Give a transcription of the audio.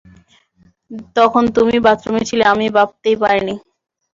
তখন তুমিই বাথরুমে ছিলে, আমি ভাবতেই পারিনি!